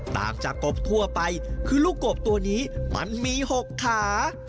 ต่างจากกบทั่วไปคือลูกกบตัวนี้มันมี๖ขา